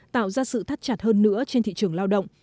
tạo ra sự thắt chặt hơn nữa trên thị trường lao động